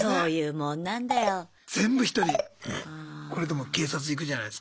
これでも警察行くじゃないすか。